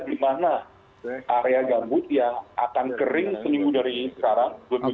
di mana area gambut yang akan kering seminggu dari sekarang